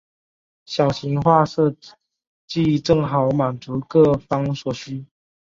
小型化设计正好满足各方所需。